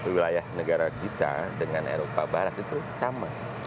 wilayah negara kita dengan eropa barat itu sama